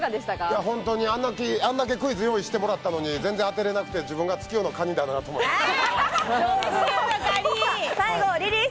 あれだけクイズ用意してもらったのに全然当てられなくて、自分が月夜の蟹だなと思いました。